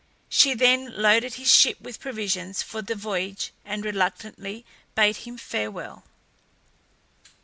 She then loaded his ship with provisions for the voyage, and reluctantly bade him farewell.